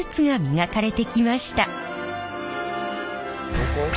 どこ？